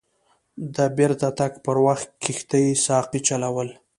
د بیرته تګ پر وخت کښتۍ ساقي چلول.